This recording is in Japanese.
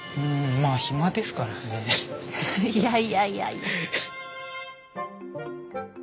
いやいやいやいや。